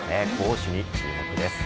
大いに注目です。